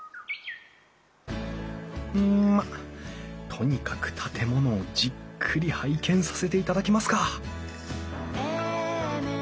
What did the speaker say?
うんまあとにかく建物をじっくり拝見させていただきますか！